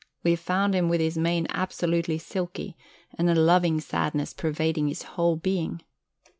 We found him with his mane absolutely silky, and a loving sadness pervading his whole being."